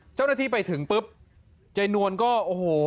เจ้าหน้าที่ไปถึงปุ๊บยายนวลก็โอ้โห